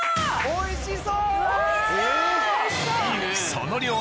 おいしそう！